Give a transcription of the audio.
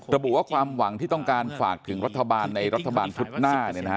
ระบุว่าความหวังที่ต้องการฝากถึงรัฐบาลในรัฐบาลพุธหน้า